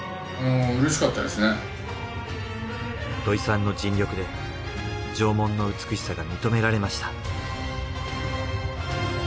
土肥さんの尽力で縄文の美しさが認められました。